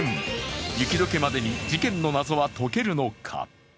雪解けまでに事件の謎は解けるのか。